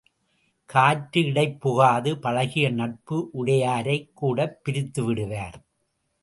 காற்று இடைப்புகாது பழகிய நட்பு உடையாரைக் கூடப் பிரித்து விடுவர்.